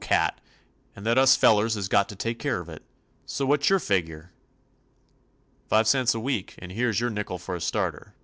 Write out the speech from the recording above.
cat, and that us fellers has got to take care of it. So what 's your fig ure?' "Five cents a week, and here 's your nickel for a starter.